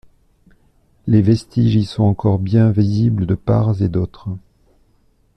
Les vestiges y sont encore bien visibles de parts et d’autres.